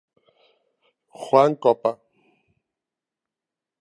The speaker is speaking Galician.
Juan Copa.